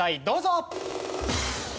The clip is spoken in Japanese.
どうぞ！